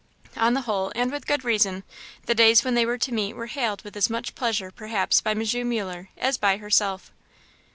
On the whole, and with good reason, the days when they were to meet were hailed with as much pleasure, perhaps, by M. Muller as by Ellen herself.